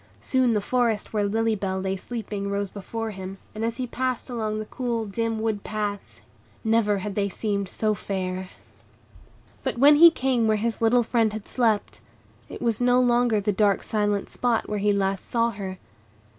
Soon the forest where Lily Bell lay sleeping rose before him, and as he passed along the cool, dim wood paths, never had they seemed so fair. But when he came where his little friend had slept, it was no longer the dark, silent spot where he last saw her.